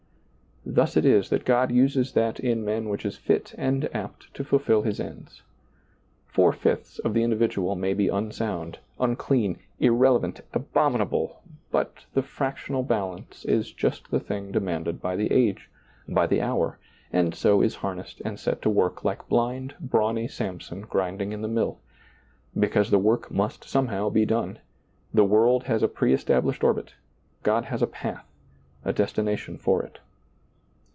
Thus it is that God uses ^lailizccbvGoOgle 42 SEEING DARKLY that in men which is fit and apt to fulfil His ends. Four fifths of the individual may be unsound, unclean, irrelevant, abominable, but the frac tional balance is just the thing demanded by the ag^i by the hour, and so is harnessed and set to work like blind, brawny Samson grinding in the mill ; because the work must somehow be done ; the world has a preestablished orbit ; God has a path — a destination for it.